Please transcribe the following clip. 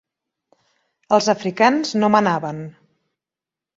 Els africans no manaven.